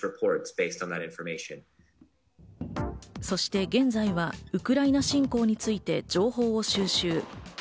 そして現在はウクライナ侵攻について情報を収集。